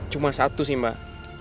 cuma satu sih mbak